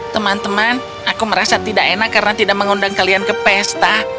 teman teman aku merasa tidak enak karena tidak mengundang kalian ke pesta